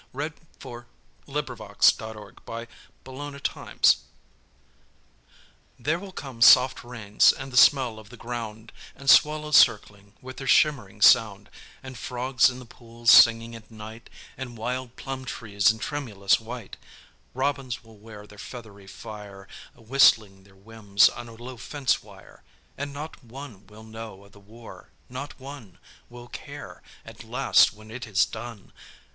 VIII "There Will Come Soft Rains" (War Time) There will come soft rains and the smell of the ground, And swallows circling with their shimmering sound; And frogs in the pools singing at night, And wild plum trees in tremulous white; Robins will wear their feathery fire Whistling their whims on a low fence wire; And not one will know of the war, not one Will care at last when it is done.